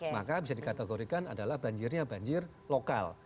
maka bisa dikategorikan adalah banjirnya banjir lokal